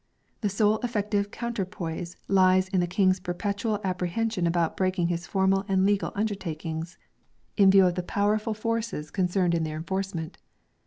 The sole effective counterpoise lies in the King's perpetual ap prehension about breaking his formal and legal under takings, in view of the powerful forces concerned in SPANISH MEDIAEVAL JURISPRUDENCE 239 their enforcement.